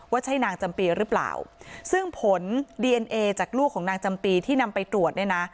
ใช่นางจำปีหรือเปล่าซึ่งผลดีเอ็นเอจากลูกของนางจำปีที่นำไปตรวจเนี่ยนะ